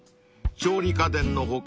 ［調理家電の他